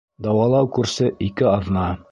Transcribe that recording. Дауалау курсы — ике аҙна.